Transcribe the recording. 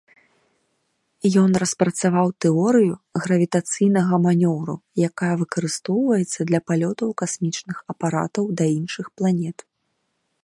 Ён распрацаваў тэорыю гравітацыйнага манеўру, якая выкарыстоўваецца для палётаў касмічных апаратаў да іншых планет.